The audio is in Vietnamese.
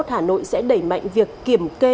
hà nội sẽ đẩy mạnh việc kiểm kê